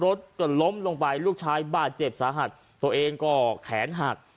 รถก็ล้มลงไปลูกชายบาดเจ็บสาหัสตัวเองก็แขนหัก